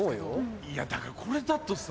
いやだからこれだとさ。